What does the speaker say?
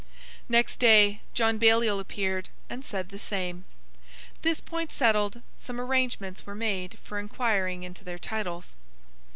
Next day, John Baliol appeared, and said the same. This point settled, some arrangements were made for inquiring into their titles.